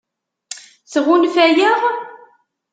Tɣunfa-aɣ?